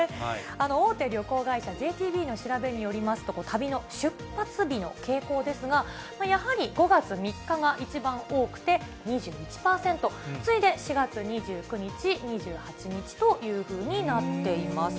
大手旅行会社、ＪＴＢの調べによりますと、旅の出発日の傾向ですが、やはり５月３日が一番多くて２１％、次いで４月２９日、２８日というふうになっています。